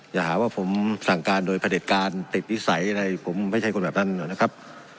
อย่าหาว่าผมสั่งการโดยผลิตการติดดีใสในผมไม่ใช่คนแบบนั้นนะครับ